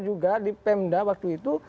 juga di pemda waktu itu